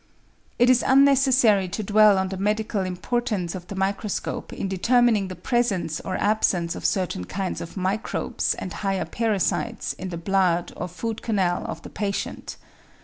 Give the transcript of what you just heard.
It is unnecessary to d^vell on the medical importance of the microscope in determining the presence or absence of certain kinds of microbes and higher parasites in the blood or food canal of the patient.